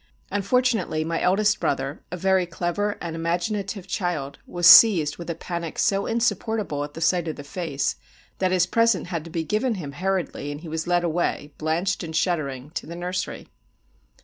Unfortunately my eldest brother, a very clever and imaginative child, was seized with a panic so insupportable at the sight of the face, that his present had to be given him hurriedly, and he was led away, blanched and shuddering, to the nursery.